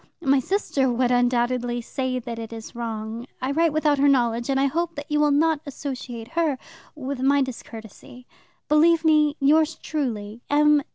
My sister would, undoubtedly, say that it is wrong. I write without her knowledge, and I hope that you will not associate her with my discourtesy. Believe me, Yours truly, M.